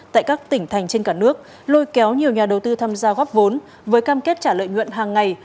tại các tỉnh thành trên cả nước lôi kéo nhiều nhà đầu tư tham gia góp vốn với cam kết trả lợi nhuận hàng ngày